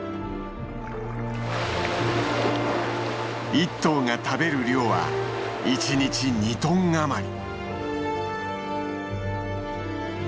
１頭が食べる量は一日２トンあまり。